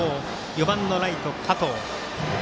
４番のライト加藤。